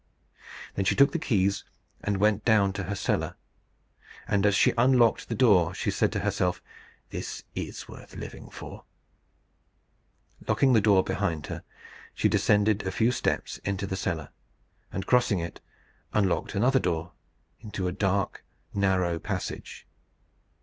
Then she took the keys and went down to her cellar; and as she unlocked the door she said to herself, "This is worth living for!" Locking the door behind her, she descended a few steps into the cellar, and crossing it, unlocked another door into a dark, narrow passage.